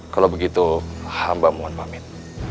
kalau begitu hamba mohon pamit